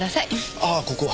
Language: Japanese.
ああここは。